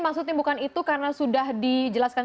maksudnya bukan itu karena sudah dijelaskan